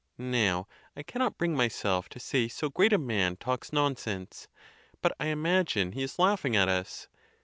Now, I cannot bring myself to say so great a man talks nonsense; but I imagine he is laughing at us.